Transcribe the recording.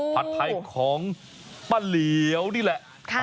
ผัดไทยของป้าเหลียวนี่แหละ